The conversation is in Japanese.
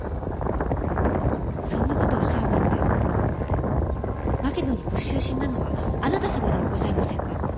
そんなことをおっしゃるなんて槙野にご執心なのはあなた様ではございませんか？